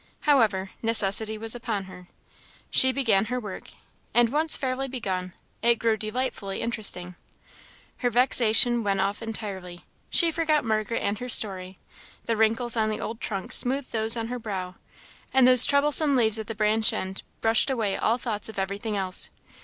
However, necessity was upon her. She began her work; and once fairly begun, it grew delightfully interesting. Her vexation went off entirely; she forgot Margaret and her story; the wrinkles on the old trunk smoothed those on her brow; and those troublesome leaves at the branch end brushed away all thoughts of everything else.